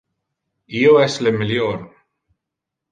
Io es le melior.